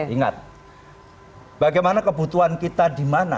ingat bagaimana kebutuhan kita di mana